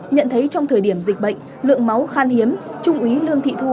nhận thấy trong thời điểm dịch bệnh lượng máu khan hiếm trung úy lương thị thu